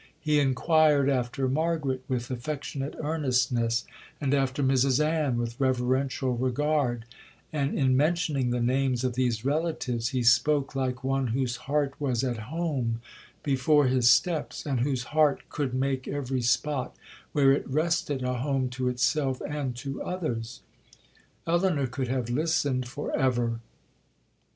He inquired after Margaret with affectionate earnestness, and after Mrs Ann with reverential regard; and in mentioning the names of these relatives, he spoke like one whose heart was at home before his steps, and whose heart could make every spot where it rested a home to itself and to others. Elinor could have listened for ever.